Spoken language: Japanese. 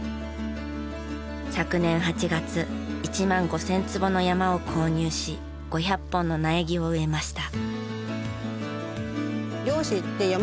昨年８月１万５０００坪の山を購入し５００本の苗木を植えました。